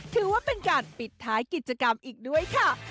ถือว่าเป็นการปิดท้ายกิจกรรมอีกด้วยค่ะ